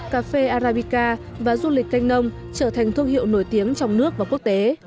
cà phê arabica và du lịch canh nông trở thành thương hiệu nổi tiếng trong nước và quốc tế